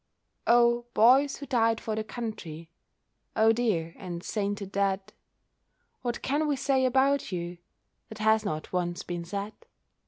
Oh, boys who died for the country, Oh, dear and sainted dead! What can we say about you That has not once been said?